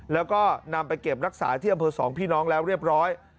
แล้วก็นำไปเก็บรักษาที่อำเภอสองพี่น้องแล้วเรียบร้อย